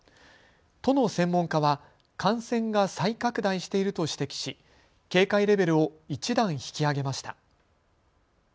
都の専門家は感染が再拡大していると指摘し警戒レベルを１段引き上げました。